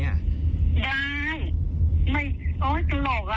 ได้โอ้ยสุโลกล่ะ